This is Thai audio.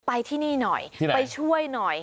ไปที่นี่หน่อยไปช่วยหน่อย